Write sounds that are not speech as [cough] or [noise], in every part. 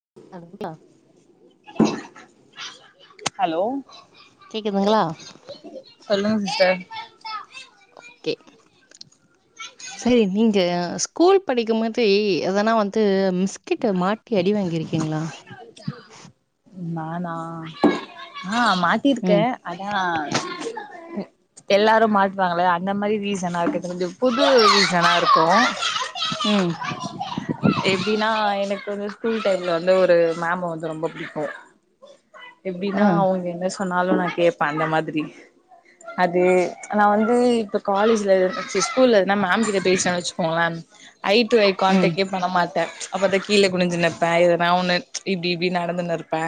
[inaudible] hello கேக்குதுங்களா சொல்லுங்க sister சரி நீங்க ஸ்கூல் படிக்கும் போது எதானா வந்து மிஸ்கிட்ட மாட்டி அடி வாங்கிருக்கீங்களா நானா ஆஹ் ம் மாட்டியிருக்கேன் ஆன எல்லாரும் மாட்டு வாங்களே அந்த மாதிரி ரீசனா இருக்கு கொஞ்சம் புது ரீசனா இருக்கும் ம் எப்படின்னா எனக்கு வந்து ஸ்கூல் டைம்ல வந்து ஒரு மேம வந்து ரொம்ப பிடிக்கும் ஆஹ் எப்படின்னா ஆ அவங்க என்ன சொ சொன்னாலு நா கேப்பே அந்த மாதிரி அது நா வந்து இப்ப காலேஜ்ல ஸ்கூல்ல நா மேம் கிட்ட பேசன்னு வச்சுக்கோங்களே அந் ஐ டு ஐ ம் கான்டக்டே பண்ண மாட்டே அப்பதா கீழ குனுஞ்சு நைப்பே எதனா ஒண்ணு இப்டி இப்டி நடந்துன்னு இரு ப்ப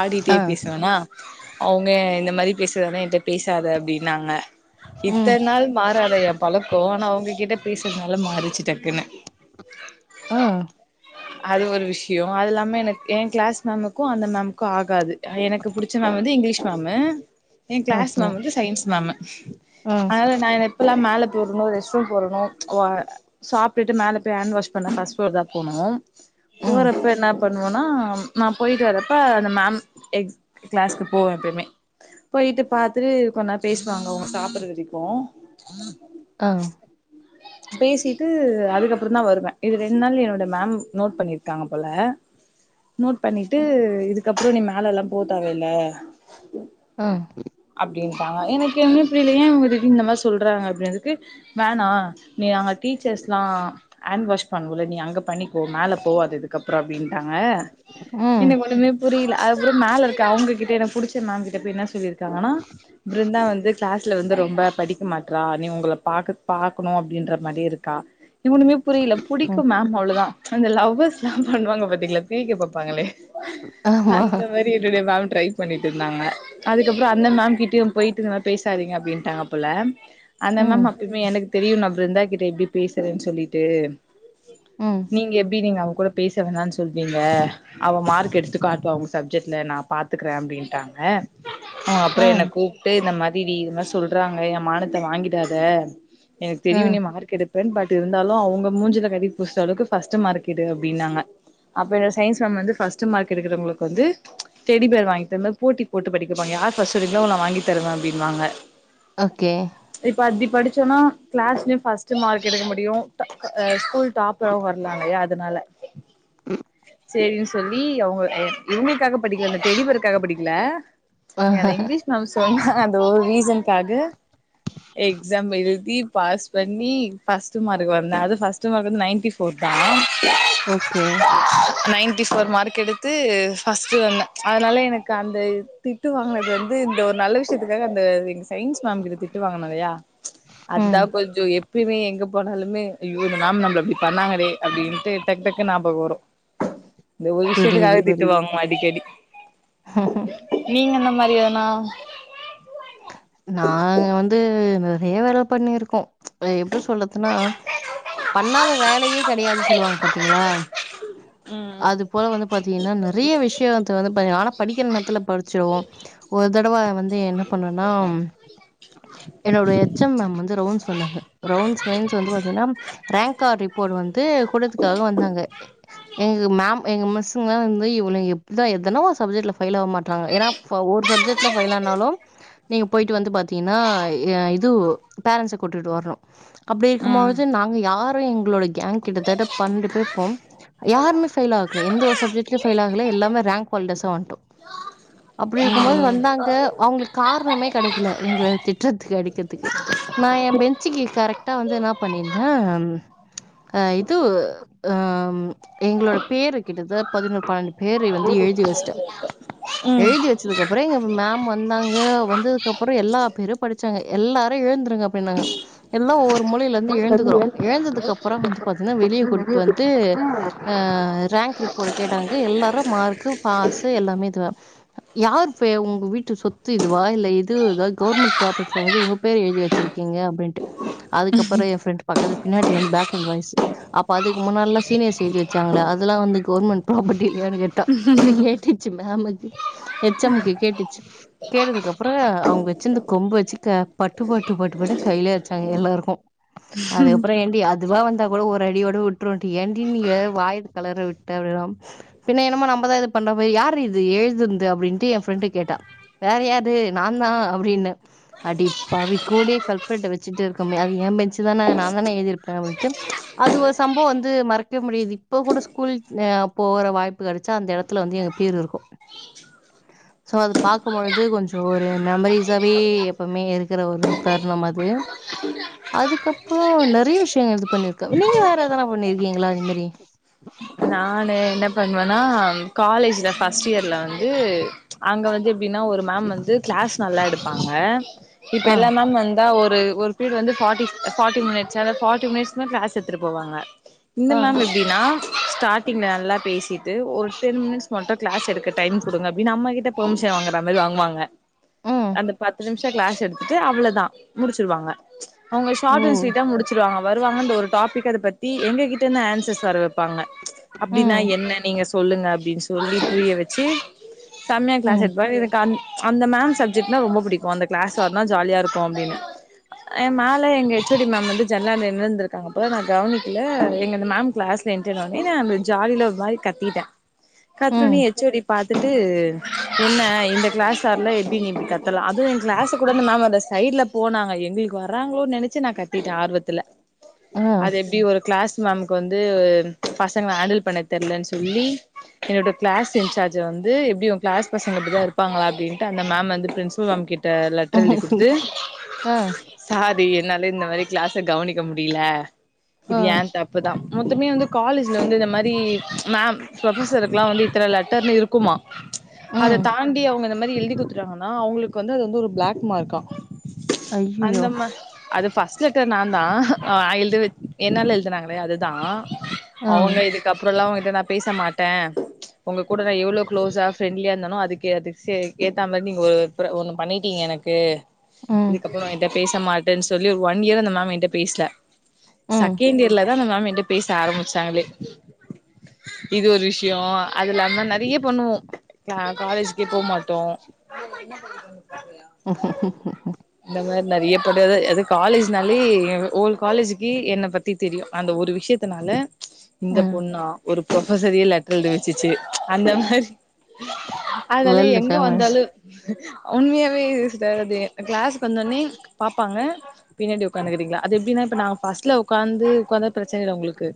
ஆடிட்டே ஆ பேசுவேனா அவுங்க இந்த மாரி பேசுவனா என்ட்ட பேசாத அப்டின்னாங்க ம் இத்தன நாள் மாறாத ஏ பொழப்பு ஆனா அவங்ககிட்ட பேசுறதுனால மாறிச்சி டக்குன்னு ஆ அது ஒரு விஷயோ அது இல்லாம எனக்கு என் கிளாஸ் மேம்க்கு க்கும் அந்த மேமுக்கு ஆகாது எனக்கு புடிச்ச மேம் வந்து இங்கிலீஷ் மேமு என் கிளாஸ் ஓகே மேம் வந்து சயின்ஸ் மேம் ஆ அது நானு இப்பெல்லா மேல போறனோ ரெஸ்ட்ரூம் போறனோ சாப்டுட்டு மேல போய் ஹேன்ட் வாஷ் பண்ண ஃபர்ஸ்ட் ஃப்ளோர் தா போணு ம் போறப்ப என்ன பண் ஆனா நாம்ப் போயிட்டு வரப்ப அந்த மேம் எக் கிளாஸ்கு போவே எப்பயுமே போயிட்டு பாத்து கொஞ்நேறோ பேசுவாங்க அவங்க சாப்பற வரைக்கு ஆ பேசிட்டு அதுக்கப்பறோ தா வருவே இது ரெண்டு நாள் என்னோட மேம் நோட் பண்ணிருக்காங்க போல நோட் பண்ணிட்டு இதுக்கப்றோ நீ மேல எல்லாம் போத்தேவ இல்ல ஆ அப்டின்னு பா எனக்கு என்ன தெரில ஏன் இவங்க திடீர்னு இந்த மாரி சொல்கிறாங்க அப்டினதுக்கு வேணா நீ அங்க டீச்சர்ஸ்லா ஹேண்ட் வாஷ் பண்ணுவோல நீ அங்க பண்ணிக்கோ மேல போவாத இதுக்கப்பறோ அப்டின்ட்டாங்க ம் எனக்கு ஒண்ணுமே புரியல அதுக்கப்றோ மேல இருக்க அவங்ககிட்ட எனக்கு புடிச்ச மேம் கிட்ட போய் என்ன சொல்லிருக் ஆனா பிருந்தா வந்து கிளாஸ்ல வந்து ரொம்ப படிக் இருக்க மாட்றா நீ உங்கள பாக்க பாக்கணு அப்டின்ற மாரியே இருக்கா இவனுமே புரியல புடிக்கு ம் மேம் அவ்ளோ தா அந்த லவ்ர்ஸ்ல்லா பண்ணுவாங்க பாத்தீங்கங்களா பி இருபாங்களே ஆமா அந்த மாரி என்னுடய மேம் ட்ரை பண்ணிட்டு இருந்தாங்க அதுக்கப்பறோ அந்த மேம் கிட்டயு போயிட்டு இந்த மாரி பேசாதீங்க அப்டின்ட்டாங்க போல அந்த ம் மேம் அப்பயுமே எனக்கு தெரியு நா பிருந்தா கிட்ட எப்டி பேசுறேன் சொல்லிட்டு ம் நீங்க எப்டி நீங்க அங் கூட பேச வேணான்னு சொல்வீங்க அவ மார்க் எடுத்து காட்டுவா உங்க சப்ஜெக்ட்ல நா பாத்துக்கிறே அப்டின்ட்டாங்க ஆ அப்றோ என்ன கூப்ட்டு இந்த மாதி திடி இது மாரி சொல்றாங்க எங்க மானத்த வாங்கிடாத எனக்கு ஆ தெரியும் நீ மார்க எடுப் னு பட் இருந்தாலும் அவுங்க மூஞ்சுல கரிய பூசற அளவுக்கு பஸ்டு மார்க் எடு அப்டின்னாங்க அப்ப நா சயின்ஸ் மேம் வந்து ஃபர்ஸ்ட் மார்க் எடுக்கறவங்களுக்கு வந்து டெடி பேர் வாங்கி தந்தா போட்டி போட்டு படிக்க வப்பாங்க யார் ஃபர்ஸ்ட் எடுக்களோ நா வாங்கி தருவன் அப்டின்வாங்க ஓகே படிச்சோன்னா கிளாஸ்லையும் ஃபஸ்ட்டு மார்க் எடுக்க முடியும் அ ஸ்கூல் டாப்பர் ரா‌ வரலால்லையா அதனால ம் செரின்னு சொல்லி அவுங்க இவுங்களுக்காக படிக்கல இந்த டெடி பேருக்காக படிக்கல ஆ ஏ இங்கிலீஷ் மேம் சொன்னா அந்த ஒரு ரீசனுக்காக எக்ஸாம் எழுதி பாஸ் பண்ணி ஃபர்ஸ்ட் மார்க் வந்த அது ஃபர்ஸ்ட்டு மார்க் வந்து நையன்ட்டி ஃபோர் தா [inaudible] ஓகே நயன்ட்டி ஃபோர் மார்க் எடுத்து ஃபஸ்ட்டு வந்தேன் அதனால எனக்கு அந்த திட்டு வாங்குனது வந்து இந்த ஒரு நல்ல விஷயத்துக்காக அந்த என்ன சொல் சயின்ஸ் மேம் கிட்ட திட்டு வாங்கன இல்லையா ம் அதுதான் கொஞ்சம் எப் எப்பயுமே எங்க போனாலுமே அய்யோ இந்த மேம் நம்மல இப்டி பண்ணாங்களே அப்படின்ட்டு டக் டக் னு நாபகம் வரும் இந்த ஒரு புரியுது விஷயத்துக்காக புரியுது திட்டுவாங்கன அடிக்கடி நீங்க இந்த மாரி யான்னா நாங்க வந்து நெறைய வேல பண்ணிருக்கோம் எப்டி சொல்றதுன்னா பண்ணாத வேலையே கிடையாது சொல்லுவாங்க பாத்தீங்களா ம் அது போல வந்து பாத்தீங்கன்னா நெறைய விஷய வந்து பன்னி ஆனா படிக்கிற நேரத்துல படிச்சிருவோம் ஒரு தடவா வந்து பண்னனா என்னோட எச் எம் மேம் வந்து ரவுன்ஸ் வந்தாங்க ரவுன்ஸ் மீன்ஸ் வந்து பாத்தீங்கனா ரேங்க் கார்டு ரிப்போர்ட் வந்து குடுக்கத்துக்காக வந்தாங்க எங்க மேம் எங்க மிஸ்ஸங்கல வந்து இவலுங்க எப்புதா எதனா ஒரு சப்ஜட்ல ஃபெயில் ஆவ மாட்டாங்க ஏனா அப் ஒரு சப்ஜட்ல ஃபெயில் ஆனாலும் நீங்க போயிட்டு வந்து பாத்தீங்கன்னா அ இது பேரன்ஸ்ச கூட்டிட்டு வரணும் அப்பக்ஷடி ம் இருக்கும்போது நாங்க யார் அப் எங்களோட கேங் கிட்டத்தட்ட பண்ணண்டு பேர் இருப்போம் யாருமே ஃபெயில் ஆகல எந்த ஒரு சப்ஜெக்ட்லயும் ஃபெயில் ஆகல எல்லாமே ரேங்க் ஹோல்டர்ஸ வன்ட்டோம் அப்படி இருக்கும் போது ம் வந்தாங்க அவுங்களுக்கு காரணமே கெடைக்கல எங்களை திட்டறதுக்கு அடிக்கற்துக்கு நான் என் பெஞ்சுக்கு கரெக்டா வந்து என்ன பண்ணியிருந்தேன் அ இது ஆம் எங்களோட பேரு கிட்டதட்ட பதினோரு பன்னெண்டு பேரு வந்து எழுதி வெச்சுட்டேன் ம் எழுதி வெச்சதுக்கு அப்புறம் எங்க மேம் வந்து அங்க வந்ததுக்கு அப்புறம் எல்லா பேரும் படிச்சாங்க எல்லாரும் எழுந்து அப்படி இன்னாங்க எல்லாம் ஒவ்வொரு மூலைல இருந்து எழுந்துகிறோம் எழுந்ததுக்கு அப்புறம் வந்து பாத்தீங்கன்னா வெளியே கூப்பிட்டு வந்து அ ரேங்க் ரிப்போர்ட் கேட்டாங்க எல்லாரும் மார்க்கு பாஸ் எல்லாமே இது யாரு பே உங்க வீட்டு சொத்து இதுவா இல்ல இது இத கவர்மெண்டு பிராப்பர்டில வந்து உங்க பேர எழுதி வச்சிருக் கீங்க அப்டின்ட்டு அதுக்கப்ரோ எ ஃபிரெண்ட் பக்கத்து பின்னாடிலேருந்து பேக் க்ரௌண்ட் வாய்ஸு அப்போ அதுக்கு முன்னாட்லா சீனியர் சேஞ்சி வெச்சாங்கிலே அதுல வந்து கவர்மெண்ட் ப்ராபெர்ட் இல்லியானு கேட்டா இது கேட்டுச்சு மேம்மு எச் எம்க்கு கேட்டுச்சு கேட்டதுக்கப்றோ அவுங்க வச்சுருந்த கொம்பு வெச்சு க பட்டு பட்டு பட்டு பட்டுன்னு கையில அடிச்சாங்க எல்லாருக்கு அதுக்கப்றோ ஏன்டி அதுவா வந்தா கூட ஒரு அடியோட விட்டுருன்டி ஏன்டி நீ வேற வாய கலற விட்ட அப்டி பின்ன என்னமோ நம்பதா இது பண்ற மாரி யாரிடி இது எழுதுன்து அப்டின்ட்டு ஏ ஃப்ரெண்டு கேட்டா வேற யாரு நா தா அப்டின்ன அடிப்பாவி கூடியே கல்ப்ரிட்ட வச்சுட்டு இருக்கோமே அது ஏ பேஞ்சு தான நா தான எழுதிருப்பே அப்டின்ட்டு அது ஒரு சம்பவ வந்து மறக்கவே முடியாது இப்போ கூட ஸ்கூல் [unintelligible] போற வாய்ப்பு கெடச்சா அந்த எடத்துல வந்து எங்க பேரு இருக்கு சோ அது பாக் பாக்கும் பொழுது கொஞ்சோ ஒரு மெமரிஸாவே எப்புமே இருக்கிற ஒரு தருணம் அது அதுக்கப்றோ நெறய விஷய இது பண்ணிருக்க நீங்க வேற எதனா பண்ணிருக்கீங்ளா இது மாரி நானு என்ன பண்ணுவேன்னா காலேஜ்ல ஃபஸ்ட் இயர்ல வந்து அங்க வந்து எப் னா ஒரு மேம் வந்து கிளாஸ் நல்லா எடுப்பாங்க இப்ப ஆ எல்லா மேம் வந்தா ஒரு [unintelligible] [unintelligible] ஒரு பீரியடு வந்து ஃபார்ட்டி ஃபார்ட்டி மினிட்ஸ் அந்த ஃபார்ட்டி மினிட்ஸ் கிளாஸ் எடுத்திட்டுப் போவாங்க இந்த ஆ மேம் எப்டின்னா ஸ்டார்டிங்ல நல்லா பேசிட்டு ஒரு டென் மினிட்ஸ் மட்டு கிளாஸ் எடுக்க டைம் குடுங்க அப்டின்னு நம்ம கிட்ட பெர்மிஷன் வாங்குற மாரி வாங்குவாங்க ம் அந்த பத்து நிம்ஷ் த க்ளாஸ் எடுத்துட்டு அவ்ளதா முடிச்சுருவாங்க அவ்ங்க ஓ ஷார்ட் அன் ஸ்வீட்டா முடிச்சிருவாங்க வருவாங்க அந்த ஒரு டாபிக் அத பத்தி எங்ககிட்டருந்து ஆன்சர்ஸ் வர வெப் பாங்க அப்டினா ம் என்ன நீங்க சொ சொல்லுங்க அப்டின் சொல்லி புரிய வச்சு செம்மயா க்ளாஸ் ம் எடுப்பாங்க எனக்கு அந் அந்த மேம் சப்ஜெக்ட்னா ரொம்ப புடிக்கு அந்த க்ளாஸ் வர்னா ஜாலியா இருக்கு அப்டின்னு அஹ் மேல எங்க எச் ஓ டி மேம் வந்து ஜென்னல்ல நின்னுருந்துருக்காங்க போல நா கவனிக்கல எங்க மேம் க்ளாஸ் என்றனால இல்ல அவ்ளோ ஜாலில ஒரு மாரி கத்திட்டே ம் கத்துனொனே எச் ஓ டி பாத் த்துட்டு என்ன இந்த க்ளாஸ் ஆர்ல எப்டி நீ இப்டி கத்தலா அதுவு எ க்ளாஸுக் கூட அந்த மேம் வர்ல சைட்ல போனாங்க எங்களுக்கு வர்ராங்களோன்னு நெனச்சு நா கத்திட்டே ஆர்வத்துல ஆ அது எப்டி ஒரு க்ளாஸ் மேம்க்கு வந்து உம் பசங்கல ஹேண்டில் பண்ண தெர்லன் சொல்லி என்னோட க்ளாஸ் இஞ்சார்ஜ வந்து எப்டி ஒ க்ளாஸ் பசங்க இப்டிதா இருபாங்ளா அப்டின்ட்டு அந்த மேம் வந்து பிரின்சிபல் மேம் கிட் ட்ட லெட்ரு எழுதி குடுத்து ஆ சார் ஏ என்னாலே இந்த மாரி க்ளாஸ கவனிக்க முடியில இது ஆ ஏ தப்புதா மொத்தமே வந்து காலேஜ்ல வந்து இந்த மாரி மேம் ப்ரொஃபசருக்லா வந்து இத்தன லெட்டர்னு இருக்குமா அத ம் தாண்டி அவ்ங்க அத இந்த மாரி எழுதி குடுத்துடாங்கனா அவ்ங்களுக்கு வந்து அது வந்து ஒரு பிளாக் மார்க்கா ஐயயோ அந்தமா அது ஃபர்ஸ்ட் லெட்டர் நான் தான் நா எழுத வெச் என்னால எழுதுனாங்களே அதுதான் ஆ அவங்க இதுக்கு அப்புறம்ல்லாம் நா பேச மாட்டேன் உங்க கூட நா எவ்ளோ க்ளோஸா ஃரெண்ட்லியா இருந்தானோ அதுக்குகேத் சேரி ஏத்தாமாரி நீங்க ஓப் பிற ஒன்னு பண்ணிட்டீங்க எனக்கு ம் இதுக்கப்புறம் என்ட பேச மாட்டேன்னு சொல்லி ஒன் இயர் அந்த மேம் என்கிட்ட பேசல ம் சக்கண்ட் இயர்லதா அந்த மோம் எங் பேச ஆரம்ப [unintelligible] இது ஒரு விஷயம் அது இல்லாம நெறைய பண்ணுவோம் நா காலேஜ்கே போவ் மாட்டோம் [inaudible] டெது அது காலேஜ்னாலே என் ஹொல் காலேஜக்கி என்ன பத்தி தெரியும் அந்த ஒரு விஷயத்த நால இந்த ம் பொண்ணா ஒருப் இப்ப சரில லெட்ர் எழுதி வெச்சுச்சு அந்தமாரி அதனால வேல்டு எங்க ஃபேமஸ் வந்தாலும் உண்மையாவே இது சிஸ்டர் கிளாஸக்கு வந்தொனே பாப்பாங்க பின்னாடி உக்காந்துக்கீறிங்களா அது எப்படின்னா இப்ப நா ஃபர்ஸ்ட்ல உக்காந்து உகாந்தா பிரச்சன இல்ல அவுங்களுக்கு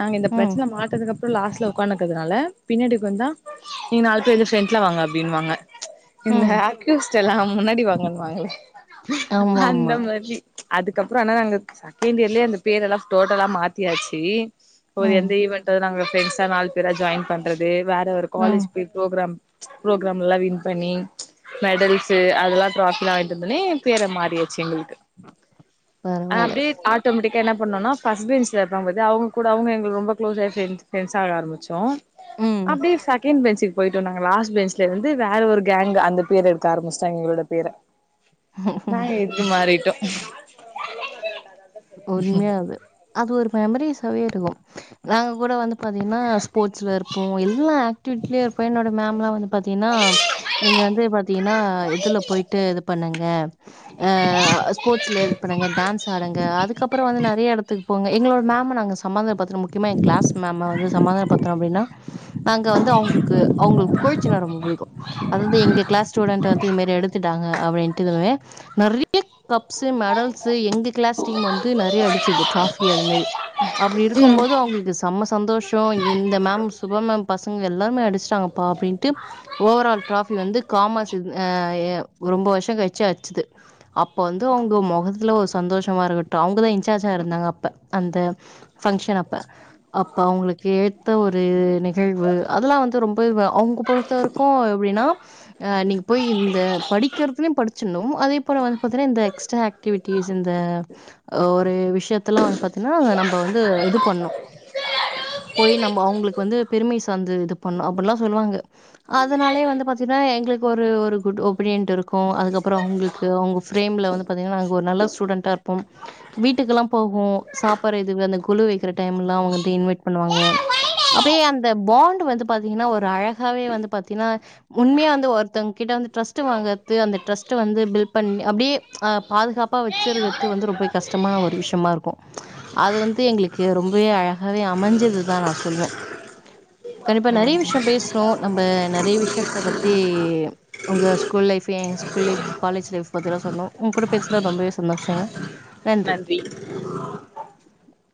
நாங்க இந்த ம் பிரச்சன மாட்டதுக்கு அப் லாஸ்ட்ல உக்காந்து இர்கதுனால பின்னாடி உக்காந்த நீங்க நாலு பேர் எந்திர்ச்சி ஃப்ரெண்ட்ல வாங்க அப்பிடின்னுவாங்க இந்த ம் அக்குஸ்ட் எல்லாம் முன்னாடி வாங்கன்னுவாங்களே ஆமா ஆமா அந்தமாரி அதுக்கப்புறம் ஆனா நாங்க சக்கண்ட்டியர்ல்லியே அந்த பேரெல்லாம் டோட்டலா மாத்தியாச்சு ஒரு ம் எந்த ஈவென்ட் நாங்க ஃபிரண்ட்ஸா நாலு பேரா ஜாயின் பண்றதெ வே இல்ல ஒரு ம் காலேஜ் போய் ப்ரோக்ராம் ப்ரோக்ராம் எல்லா வின் பண்ணி மெடல்ஸ்ஸு அதெல்லா ட்ராஃப்பில்லா வாங்ட்டு வந்தவுட்னே எம்பேர மாறியாச்சு எங்கள் பரவால்ல அப்டியே ஆட்டோமெட்டிக் க்கு என்ன பண்ணுனா ஃபஸ்ட் பென்ச்ல இருப்பாங்க பாத்தியா அவுங் கூ ட அவுங்க எங்களுக் ரொம்ப க்ளோஸாயிர்ச்சி [unintelligible] ஃப்ரண்ட்ஸ் ஆக ஆரம்பிச்சோ ம் அப்டியே செகண்ட் பென்ச்சிக் போய்ட்டோ நாங்க லாஸ்ட் பென்ச்ல இருந்து வேற ஒரு கேங் அந்த பேர எடுக்க ஆரம்பிச்சிட்டாங்க எங்களோட பேர நா எக்கு மாறிட்டோ உண்மையா அது அது ஒரு மெமரிஸ் ஸாவே இருக்கு நாங்க கூட வந்து பாத்தீங்கனா ஸ்போட்ஸ்ல இருப்போ எல்லா ஆக்ட்டிவிட்லயு என்னோட மேம்லா வந்து பாத்தீங்கனா நீங்க வந்து பாத்தீன்னா இதுல போய்ட்டு இது பண்ணுங்க ஆ ஸ்போட்ஸ்ல இது பண்ணுங்க டான்ஸ் ஆடுங் க அதுக்கப்பறோ வந்து நெறைய எடத்துக்கு போங்க எங்களோட மேம் நாங்க சமாதான பத்துனோ முக்கியமா எ கிளாஸ் மேம வந்து சமாதானோ பத்துன அப்டின்னா நாங்க வந்து அவங்களுக்கு அவங்களுக்கு கோச்சுன்னா ரொம்ப புடிக்கு அதாது எங்க கிளாஸ் ஸ்டூடெண்ட்ட வந்து இது மெரி எடுத்துட்டாங்க அப்டின்ட்டதுமே நெறைய கப்ஸு மெடல்ஸு எங்க கிளாஸ் டீம் வந்து நெறைய அடிச்சது டிராஃபி அது மெரி அப்டி இருக்கும் ம் போது அவங்களுக்கு செம்ம சந்தோஷோ இந்த மேம் சுப மேம் பசங் க எல்லாருமே அடிச்சுடாங்கப்பா அப்படின்டு ஓவர் ஆல் டிராஃபி வந்து காமர்ஸ் இது அ எ ரொம்ப வருஷங் கழிச்சு அடிச்சுது அப்போ வந்து அவங்க மொகத்துல ஒரு சந்தோஷ் ஷமா இருக்கட்டு அவங்கதா இன்சார்ஜா இருந்தாங்க அப்ப அந்த ஃபங்கஷன் அப்ப அப்ப அவங்களுக்கு எத் த்த ஒரு நிகழ்வு அதெல்லா வந்து ரொம்பவே அவங்க பொறுத்த வரைக்கு எப்டின்னா அ நீங்க போய் இந்த படிக்கிறதுலய் படிச்சிர்ணு அதே போல வந்து பாத்தனா இந்த எக்ஸ்ட்ரா ஆக்ட்டிவிட்டிஸ் இந்த ஒரு விஷயத்தெல்லா வந்து பாத்தீய்ன்னா நம்ப வந்து இது பண்ணும் போய் நம்ம அவங்களுக்கு வந்து பெருமை சார்ந்து இது பண்ணும் அப்டில்லா சொல்லுவாங்க அதனாலயே வந்து பாத்தீங்கன்னா எங்களுக்கு ஒரு ஒரு குட் ஒப்பினியன்ட்டு இருக்கு அதுக்கப்பறொ அவங்களுக்கு அவங்க ஃப்ரேம்ல வந்து பாத்தீங்கன்னா நாங்க ஒரு நல்ல ஸ்டூடண்ட்டா இருப் போம் வீட்டுக்குல்லா போகு சாப்பற இது அந்த கொழு வைக்கிற டைம்ல்லா அவுங்க வந்து இன்வைட் பண்ணுவாங்க அப்படியே அந்த பாண்ட் வந்து பாத்தீங்கன்னா ஒரு அழகாவே வந்து பாத்தீங்கன்னா உண்மையா வந்து ஒருத்தவங் கிட்ட வந்து டிரஸ்ட் வாங்கறது அந்த டிரஸ்ட் வந்து பில் பண்ணி அப்படியே அஹ் பாதுகாப்பா வச்சுருக் து வந்து ரொம்பவே கஷ்டமான ஒரு விஷ்யமா இருக்கு அது வந்து எங்களுக்கு ரொம்பவே அழகாவே அமைஞ்சதுதா நா சொல்லுவ கண்டிப்பா நெறைய விஷ்யொ பேசுறோ நம்ப நெறைய விஷ்யத்த பத்தி ஒங்க ஸ்கூல் லைஃப் எ ஸ்கூல் லைஃப் காலேஜ் லைஃப் பத்தியெல்லா சொன்னோ ஒங் கூட பேசுன ரொம்பவே சந்தோஷங்க நன்றி